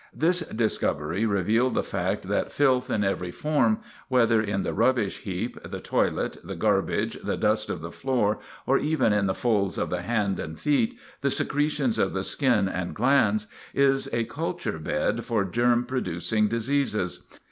This discovery revealed the fact that filth in every form, whether in the rubbish heap, the toilet, the garbage, the dust of the floor, or even in the folds of the hands and feet, the secretions of the skin and glands, is a culture bed for germ producing diseases.